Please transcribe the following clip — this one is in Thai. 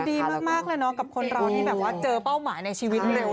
ก็ดีมากแล้วกับคนร้อนี่แบบว่าเจอเป้าหมายในชีวิตเร็ว